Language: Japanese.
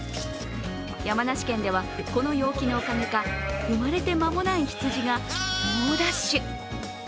山梨県では、この陽気のおかげか生まれて間もない羊が猛ダッシュ。